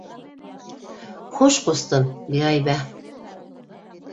Хуш, ҡустым, биғәйбә.